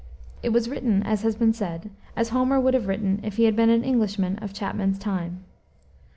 It was written, as has been said, as Homer would have written if he had been an Englishman of Chapman's time.